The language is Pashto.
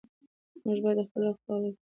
موږ باید په خپله خاوره کې پرمختګ وکړو.